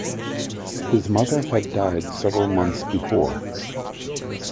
His mother had died several months before.